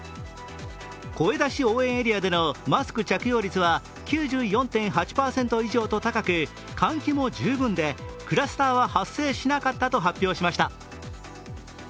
声出し応援エリアでのマスク着用率は９４．８％以上と高く、換気も十分で、クラスターは発生しなかったと発表しました。